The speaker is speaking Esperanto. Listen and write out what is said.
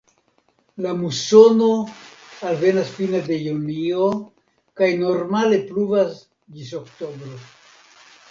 La musono alvenas fine de junio kaj normale pluvas ĝis oktobro.